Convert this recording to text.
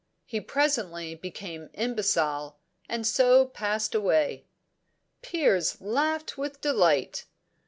He presently became imbecile, and so passed away.'" Piers laughed with delight.